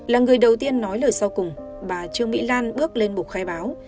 là người đầu tiên nói lời sau cùng bà trương mỹ lan bước lên bục khai báo